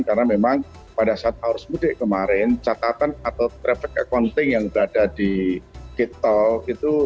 karena memang pada saat arus mudik kemarin catatan atau traffic accounting yang berada di kito itu